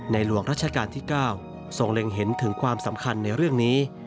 หลวงราชการที่๙ทรงเล็งเห็นถึงความสำคัญในเรื่องนี้